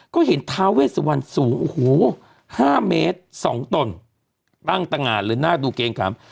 ก็เห็นทาเวทสุวรรณสูงโอ้โหห้าเมตรสองตนตั้งตะงานเลยน่าดูเกรงกรรม